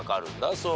そう。